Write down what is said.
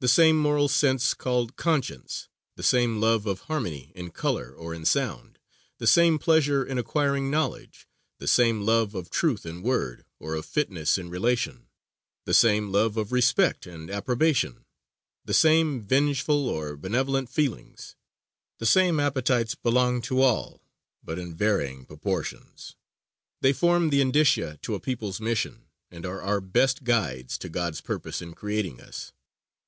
The same moral sense, called conscience; the same love of harmony in color or in sound; the same pleasure in acquiring knowledge; the same love of truth in word, or of fitness in relation; the same love of respect and approbation; the same vengeful or benevolent feelings; the same appetites, belong to all, but in varying proportions. They form the indicia to a people's mission, and are our best guides to God's purpose in creating us.